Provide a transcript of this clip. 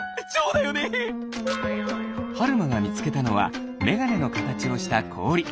はるまがみつけたのはメガネのかたちをしたこおり。